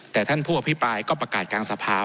แต่ท่านผู้อภิปรายก็ประกาศกลางสภา